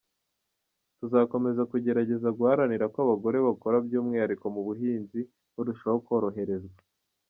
Tuzakomeza kugerageza guharanira ko abagore bakora by’umwihariko mu buhinzi barushaho koroherezwa.